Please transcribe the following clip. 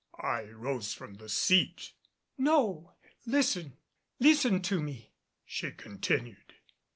I rose from the seat. "No, listen! Listen to me," she continued.